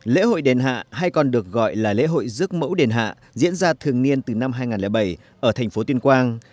lễ hội đền hạ hay còn được gọi là lễ hội rước mẫu đền hạ diễn ra thường niên từ năm hai nghìn bảy ở thành phố tuyên quang